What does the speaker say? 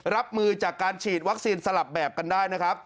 รับมือจากการฉีดวัคซีนสลับแบบกันได้นะครับ